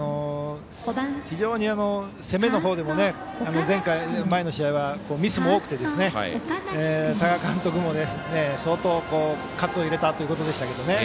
非常に攻めのほうでも前回、前の試合はミスも多くて多賀監督も相当かつを入れたということでしたけど。